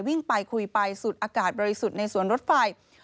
วิ่งไปคุยไปสุดอากาศบริสุทธิ์ในสวนรถไฟ